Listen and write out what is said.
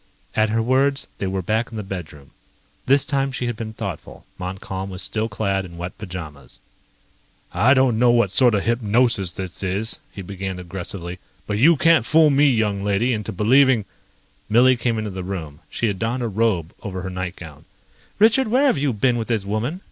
At her words, they were back in the bedroom. This time she had been thoughtful. Montcalm was still clad in wet pajamas. "I don't know what sort of hypnosis this is," he began aggressively, "but you can't fool me, young lady, into believing ..."Millie came into the room. She had donned a robe over her nightgown. "Richard, where have you been with this woman?"